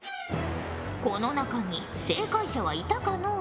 この中に正解者はいたかのう？